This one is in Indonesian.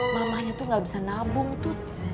mamanya tuh gak bisa nabung tuh